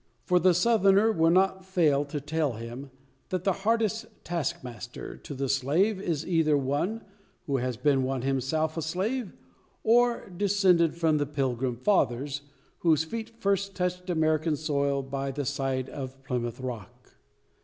For the Southerner will not fail to tell him, that the hardest task master to the slave is either one, who has been himself a slave, or descended from the Pilgrim Fathers, whose feet first touched American soil by the side of Plymouth Rock!